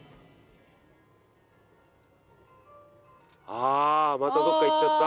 ああまたどこか行っちゃった。